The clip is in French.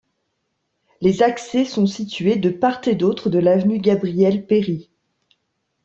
Les accès sont situés de part et d'autre de l'avenue Gabriel-Péri.